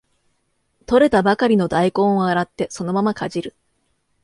採れたばかりの大根を洗ってそのままかじる